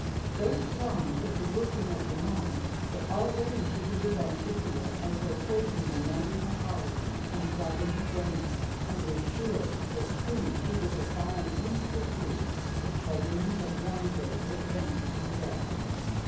So strong is the working of the mind that already she had begun to feel as though poison were numbing her heart and clouding her brain, and was sure that soon she would have fallen into the sleep which Harun had warned her would end in death.